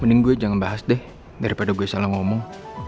mending gue jangan bahas deh daripada gue salah ngomong